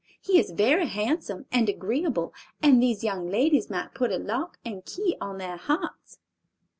He is very handsome and agreeable, and these young ladies might put a lock and key on their hearts."